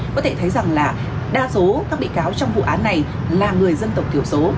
có thể thấy rằng là đa số các bị cáo trong vụ án này là người dân tộc thiểu số